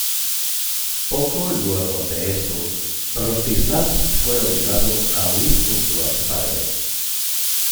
Poco luego de esto Rostislav fue obligado a huir junto a su padre.